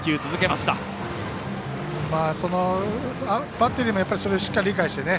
バッテリーもそれを理解してね